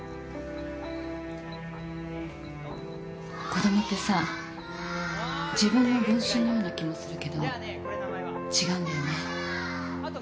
子供ってさ自分の分身のような気もするけど違うんだよね。